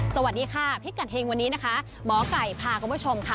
สวัสดีค่ะพิกัดเฮงวันนี้นะคะหมอไก่พาคุณผู้ชมค่ะ